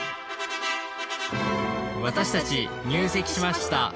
私たち入籍しました。